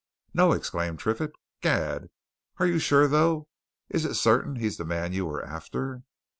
"No!" exclaimed Triffitt. "Gad! Are you sure, though? is it certain he's the man you were after?"